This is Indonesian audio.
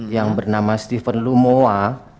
yang bernama stephen lumoa